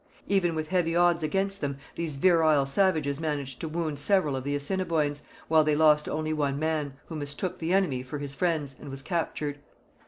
Even with heavy odds against them these virile savages managed to wound several of the Assiniboines, while they lost only one man, who mistook the enemy for his friends and was captured.